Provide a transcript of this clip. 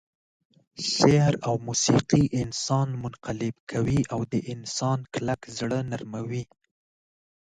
شعر او موسيقي انسان منقلب کوي او د انسان کلک زړه نرموي.